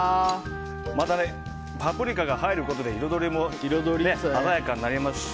パプリカが入ることで彩りも華やかになりますし